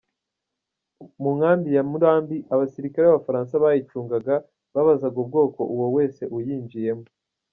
Mu nkambi ya Murambi, abasirikare b’abafaransa bayicungaga, babazaga ubwoko uwo wese uyinjiyemo.